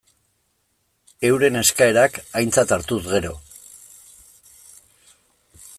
Euren eskaerak aintzat hartuz gero.